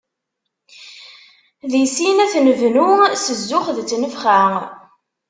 Di sin ad t-nebnu, s zzux d tnefxa.